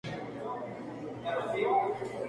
Selló la cobertura de la revista Cuerpo a Cuerpo.